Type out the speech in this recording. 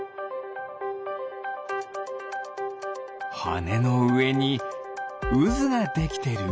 はねのうえにうずができてる？